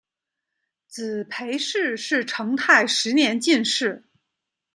子裴栻是成泰十年进士。